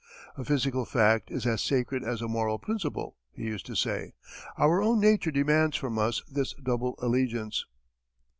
"A physical fact is as sacred as a moral principle," he used to say. "Our own nature demands from us this double allegiance."